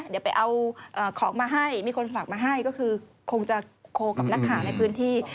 เดี๋ยวไปเอาของมาให้มีคนฝากมาให้ก็คือคงจะโคลกับนักข่าวในพื้นที่